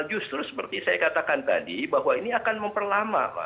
justru seperti saya katakan tadi bahwa ini akan memperlama